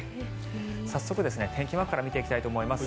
早速、天気マークから見ていきたいと思います。